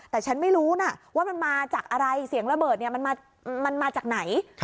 แต่ฉันไม่รู้นะว่ามันมาจากอะไรเสียงระเบิดมันมาจากไหน